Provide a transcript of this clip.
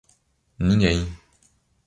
Ninguém